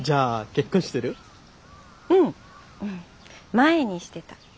前にしてた。